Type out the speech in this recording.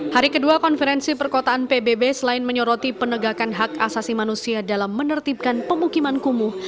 hari kedua konferensi perkotaan pbb selain menyoroti penegakan hak asasi manusia dalam menertibkan pemukiman kumuh